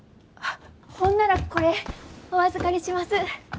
あっほんならこれお預かりします。